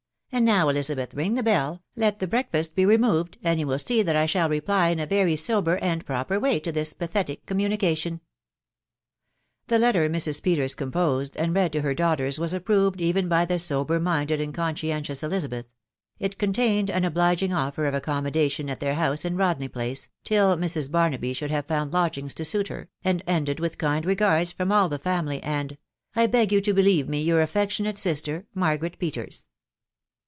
. and now, Elizabeth, ring the bell, let the breakfast be removed, and ye* will see that I shall reply in a very sober and proper way to this pathetic communication." The letter Mrs. Peters composed and nsad to her daughter* was approved even by the sober minded and conscientious Elizabeth ; it contained an obliging offer of accommodation at their house in Rodney Place, till Mrs. Bamahy should have found lodgings to suit her, and ended with kind regards front all the family, and "J beg jpu to believe urn, your qffiecUomoU xistef, Margaret JPetens."